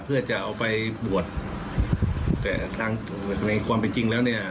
เพื่อจะเอาไปบวชแต่ทางในความเป็นจริงแล้วเนี่ย